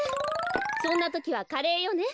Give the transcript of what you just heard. そんなときはカレーよね。